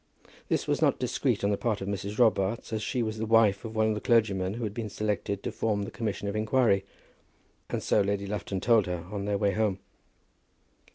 This was not discreet on the part of Mrs. Robarts, as she was the wife of one of the clergymen who had been selected to form the commission of inquiry; and so Lady Lufton told her on their way home.